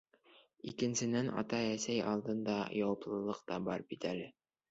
Икенсенән, атай-әсәй алдында... яуаплылыҡ та бар бит әле.